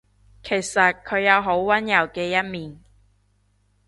其實佢有好溫柔嘅一面